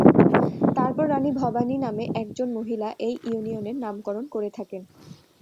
তারপর রাণী ভবানী নামে একজন মহিলা এই ইউনিয়নের নামকরণ করে থাকেন।